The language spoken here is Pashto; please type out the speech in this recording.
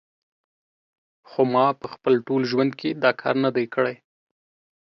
خو ما په خپل ټول ژوند کې دا کار نه دی کړی